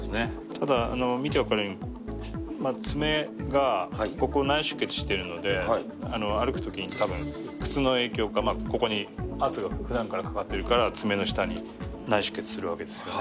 ただ、見て分かるように、爪がここ内出血してるので、歩くときにたぶん、靴の影響か、ここに圧がふだんからかかってるから、爪の下に内出血するわけですよね。